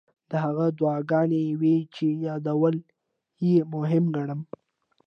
دا هغه دعاګانې وې چې یادول یې مهم ګڼم.